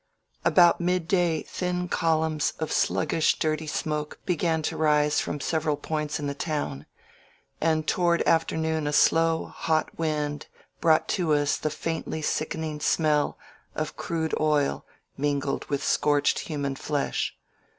About midday thin columns of sluggish, dirty smoke began to rise from several points in the town, and to ward afternoon a slow, hot wind brought to us the faintly sickening smell of crude oil mingled with scorched human flesh.